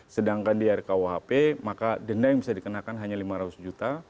sedangkan di rkuhp maka denda yang bisa dikenakan hanya lima ratus juta